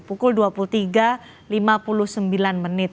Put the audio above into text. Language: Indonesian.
pukul dua puluh tiga lima puluh sembilan menit